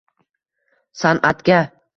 san’atga.